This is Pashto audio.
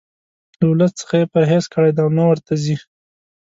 له ولس څخه یې پرهیز کړی دی او نه ورته ځي.